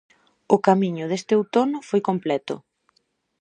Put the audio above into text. O camiño deste outono foi completo.